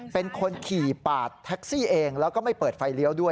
เป็นคนขี่ปาดแท็กซี่เองแล้วก็ไม่เปิดไฟเลี้ยวด้วย